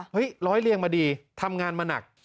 ร้อยเรียงมาดีทำงานมาหนัก